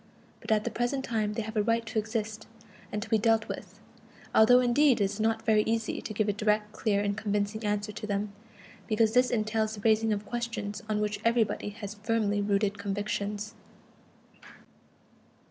But at the present time they have a right to exist, and to be dealt with, although indeed it is not very easy to give a direct, clear and convincing answer to them, because this entails the raising of questions on which everybody has firmly rooted convictions.